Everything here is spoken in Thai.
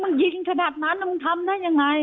มันยิงขนาดนั้นมึงทำได้ยังไง